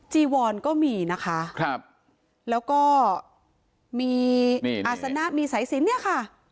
จีวอนก็มีนะคะครับแล้วก็มีอาศนะมีสายสินเนี่ยค่ะ